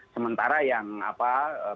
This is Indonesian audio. sementara yang bekasi tepok dan jawa barat